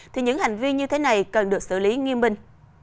thì những hành vi như thế này cần được xử lý nghiêm minh